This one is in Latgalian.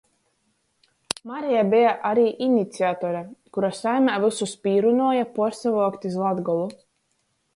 Mareja beja ari iniciatore, kura saimē vysus pīrunuoja puorsavuokt iz Latgolu.